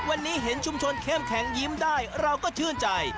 วันนี้เห็นชุมชนเข้มแข็งยิ้มได้เราก็ชื่นใจ